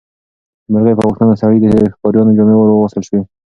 د مرغۍ په غوښتنه سړي ته د ښکاریانو جامې ورواغوستل شوې.